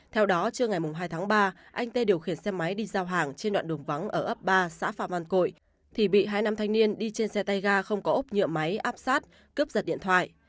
theo đó trưa ngày hai tháng ba anh tê điều khiển xe máy đi giao hàng trên đoạn đường vắng ở ấp ba xã phạm văn cội thì bị hai nam thanh niên đi trên xe tay ga không có ốp nhựa máy áp sát cướp giật điện thoại